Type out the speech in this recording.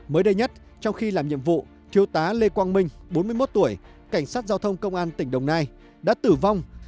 mới đây nhất trong khi làm nhiệm vụ chiêu tá lê quang minh bốn mươi một tuổi cảnh sát giao thông tỉnh đồng nai đã tử vong